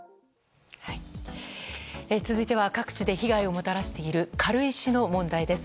続いては、各地で被害をもたらしている軽石の問題です。